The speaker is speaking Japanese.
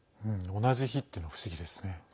同じ日っていうのは不思議ですね。